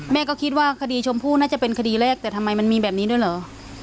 แม่ก็คิดว่าคดีชมพู่น่าจะเป็นคดีแรกแต่ทำไมมันมีแบบนี้ด้วยเหรอ